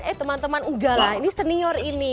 eh teman teman ugala ini senior ini